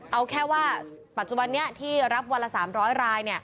เอาแค่ว่าปัจจุบันนี้ที่รับวันละ๓๐๐ราย